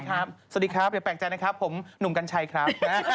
สวัสดีครับอย่าแปลกใจนะครับผมหนุ่มกัญชัยครับ